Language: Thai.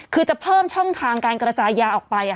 คือจะเพิ่มช่องทางการกระจายยาออกไป